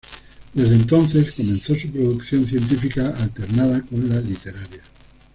Desde entonces comenzó su producción científica, alternada con la literaria.